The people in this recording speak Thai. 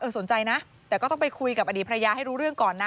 สนใจนะแต่ก็ต้องไปคุยกับอดีตภรรยาให้รู้เรื่องก่อนนะ